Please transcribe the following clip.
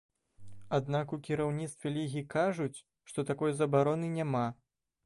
Аднак у кіраўніцтве лігі кажуць, што такой забароны няма.